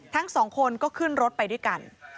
ทั้งสองคนก็ขึ้นรถไปด้วยกัน